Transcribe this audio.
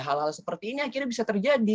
hal hal seperti ini akhirnya bisa terjadi